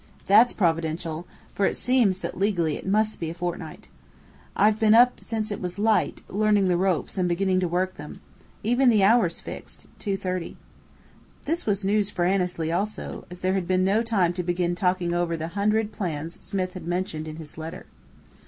That's providential, for it seems that legally it must be a fortnight. I've been up since it was light, learning the ropes and beginning to work them. Even the hour's fixed two thirty." (This was news for Annesley also, as there had been no time to begin talking over the "hundred plans" Smith had mentioned in his letter.)